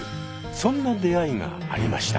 そんな出会いがありました。